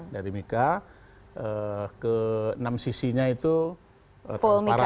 dari mika ke enam sisinya itu transparan